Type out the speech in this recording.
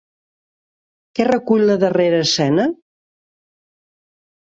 Què recull la darrera escena?